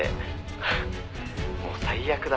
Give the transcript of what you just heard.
「フッもう最悪だ」